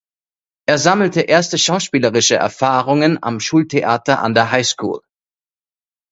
Er sammelte erste schauspielerische Erfahrungen am Schultheater an der High School.